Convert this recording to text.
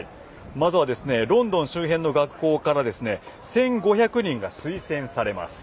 まずはロンドン周辺の学校から１５００人が推薦されます。